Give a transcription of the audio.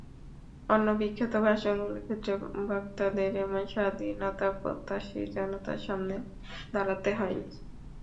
অন্য বিখ্যাত ভাষণগুলোর ক্ষেত্রে বক্তাদের এমন স্বাধীনতাপ্রত্যাশী জনতার সামনে দাঁড়াতে হয়নি।